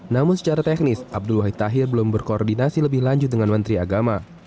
namun secara teknis abdul wahid tahir belum berkoordinasi lebih lanjut dengan menteri agama